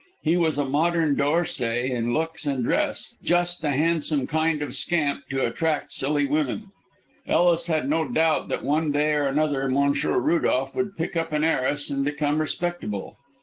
He was a modern D'Orsay in looks and dress just the handsome kind of scamp to attract silly women. Ellis had no doubt that one day or another Monsieur Rudolph would pick up an heiress, and become respectable.